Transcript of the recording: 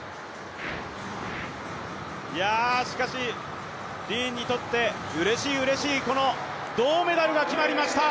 しかし、ディーンにとってうれしい、うれしい銅メダルが決まりました。